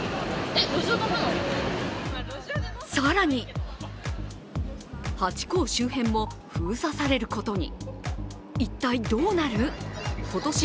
更にハチ公周辺も封鎖されることに。